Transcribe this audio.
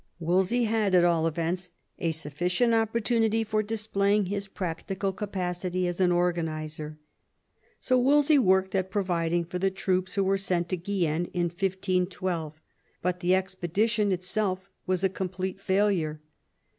Wolsey had at all events a sufficient opportunity for displaying his practical capacity as an organiser. So Wolsey worked at providing for the troops who were sent to Guienne in 1512 ; but the expedition itself was a complete failure.